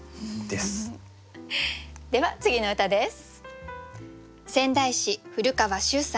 では次の歌です。